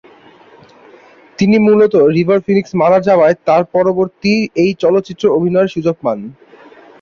তিনি মূলত River Phoenix মারা যাওয়ায় তার পরিবর্তে এই চলচ্চিত্রে অভিনয়ের সুযোগ পান।